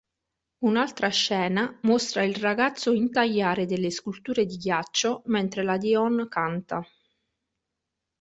Un'altra scena mostra il ragazzo intagliare delle sculture di ghiaccio mentre la Dion canta.